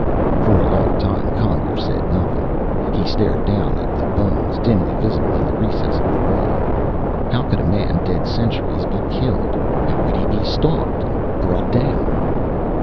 For a long time Conger said nothing. He stared down at the bones, dimly visible in the recess of the wall. How could a man dead centuries be killed? How could he be stalked, brought down?